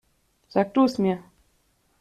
Sag du es mir.